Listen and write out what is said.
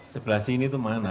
sebelah sini itu mana